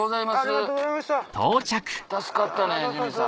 助かったねジミーさん。